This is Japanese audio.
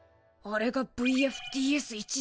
あれがＶＦＴＳ１０２か。